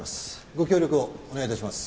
ご協力をお願い致します。